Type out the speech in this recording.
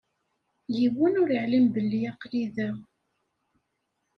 Yiwen ur iɛlim belli aql-i da.